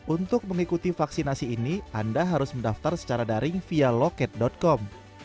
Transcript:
untuk mengikuti vaksinasi ini anda harus mendaftar secara daring via loket com